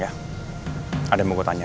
ada yang mau gue tanyain